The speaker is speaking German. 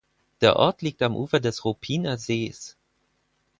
Der Ort liegt am Ufer des Ruppiner Sees.